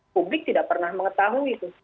publik tidak pernah mengetahui itu